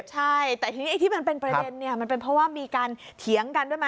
ใช่แต่ที่มันเป็นประเด็นมันเป็นเพราะว่ามีการเถียงกันไหม